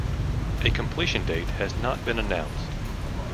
A completion date has not been announced.